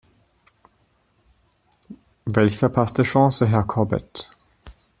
Welch verpasste Chance, Herr Corbett!